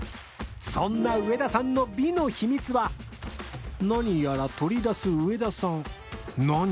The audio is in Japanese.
そんな上田さんの何やら取り出す上田さん何？